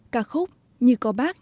cả khúc như có bác